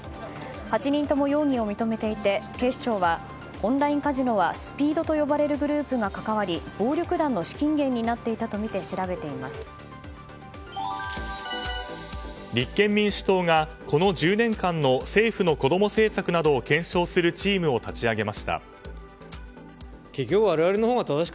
８人とも容疑を認めていて、警視庁はオンラインカジノはＳＰＥＥＤと呼ばれるグループが関わり暴力団の資金源になっていたとみられ立憲民主党がこの１０年間の政府のこども政策などを検証するチームを立ち上げました。